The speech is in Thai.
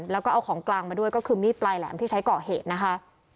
แล้วก็เอาของกลางมาด้วยก็คือมีดปลายแหลมที่ใช้ก่อเหตุนะคะ